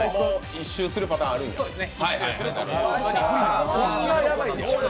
１周するパターンあるんですね。